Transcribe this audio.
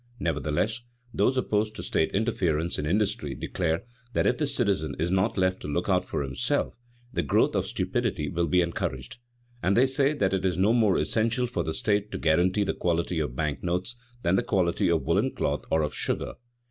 Nevertheless, those opposed to state interference in industry declare that if the citizen is not left to look out for himself, the growth of stupidity will be encouraged; and they say that it is no more essential for the state to guarantee the quality of bank notes than the quality of woolen cloth or of sugar.